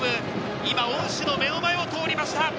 今、恩師の目の前を通りました。